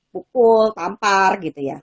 pukul tampar gitu ya